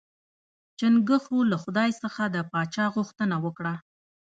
چنګښو له خدای څخه د پاچا غوښتنه وکړه.